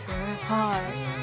はい。